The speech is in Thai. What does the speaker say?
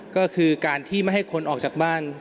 ก็คือการที่ไม่ให้คนออกจากบ้าน